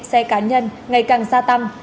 xe cá nhân ngày càng gia tâm